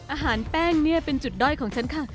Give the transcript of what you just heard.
อาหารแป้งเนี่ยเป็นจุดด้อยของฉันค่ะ